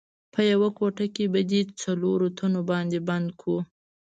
په یوه کوټه کې په دې څلورو تنو باندې بند کړو.